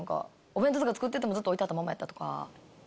お弁当とか作ってても置いてあったままやったとか。